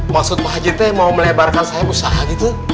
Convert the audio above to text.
maksud pak haji itu mau melebarkan saya usaha gitu